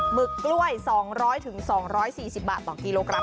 หึกกล้วย๒๐๐๒๔๐บาทต่อกิโลกรั